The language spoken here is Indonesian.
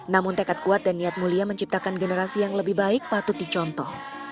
namun tekat kuat dan niat mulia menciptakan generasi yang lebih baik patut dicontoh